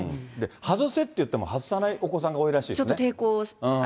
外せって言っても外さないお子さんが多いらしいですね。